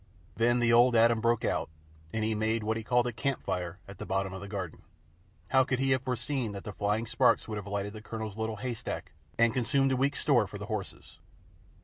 Then the Old Adam broke out, and he made what he called a "campfire" at the bottom of the garden. How could he have foreseen that the flying sparks would have lighted the Colonel's little hayrick and consumed a week's store for the horses?